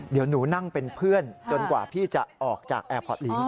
เดี๋ยวหนูนั่งเป็นเพื่อนจนกว่าพี่จะออกจากแอร์พอร์ตลิงค